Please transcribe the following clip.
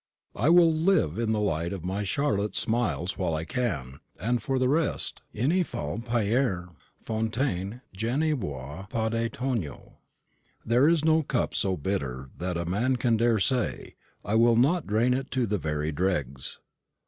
I will live in the light of my Charlotte's smiles while I can, and for the rest "Il ne faut pas dire, fontaine, je ne boirai pas de ton eau." There is no cup so bitter that a man dare say, I will not drain it to the very dregs.